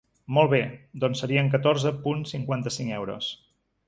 Molt bé, doncs serien catorze punt cinquanta-cinc euros.